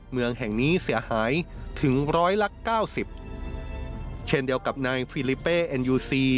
เมืองแห่งนี้เสียหายถึงร้อยละเก้าสิบเช่นเดียวกับนางฟิลิเป้เอ็นยูซี